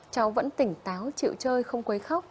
cháu vẫn tỉnh táo chịu chơi không quấy khóc